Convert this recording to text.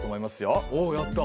おっやった！